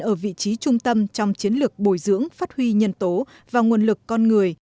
ở vị trí trung tâm trong chiến lược bồi dưỡng phát huy nhân tố và nguồn lực con người